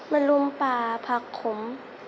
มะลุมป่าผักขม